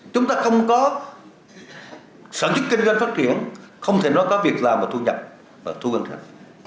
chúng ta không có sản xuất kinh doanh phát triển không thể nói có việc làm và thu nhập và thu ngân sách